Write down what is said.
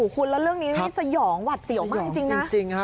คุณแล้วเรื่องนี้นี่สยองหวัดเสียวมากจริงนะ